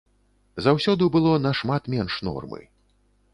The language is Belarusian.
Заўсёды было нашмат менш нормы.